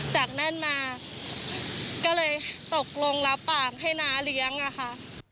จากนั้นมาก็เลยตกลงรับปากให้น้าเลี้ยงอะค่ะ